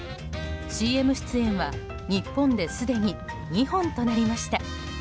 ＣＭ出演は日本ですでに２本となりました。